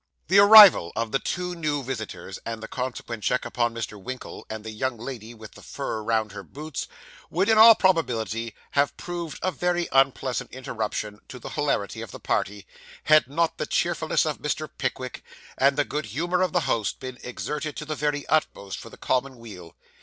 The arrival of the two new visitors, and the consequent check upon Mr. Winkle and the young lady with the fur round her boots, would in all probability have proved a very unpleasant interruption to the hilarity of the party, had not the cheerfulness of Mr. Pickwick, and the good humour of the host, been exerted to the very utmost for the common weal.